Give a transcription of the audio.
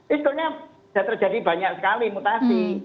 sebetulnya sudah terjadi banyak sekali mutasi